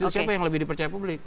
siapa yang lebih dipercaya publik